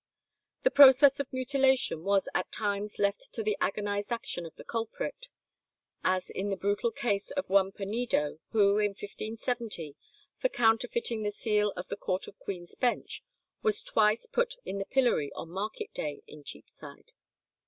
..." The process of mutilation was at times left to the agonized action of the culprit: as in the brutal case of one Penedo, who in 1570, for counterfeiting the seal of the Court of Queen's Bench, was twice put in the pillory on market day in Cheapside.